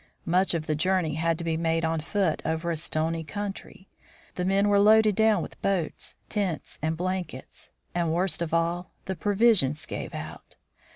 Much of the journey had to, be made on foot over a stony country. The men were loaded down with boats, tents, and blankets, and, worst of all, the provisions gave out.